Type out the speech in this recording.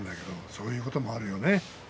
そういうこともあるよね。